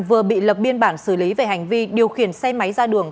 vừa bị lập biên bản xử lý về hành vi điều khiển xe máy ra đường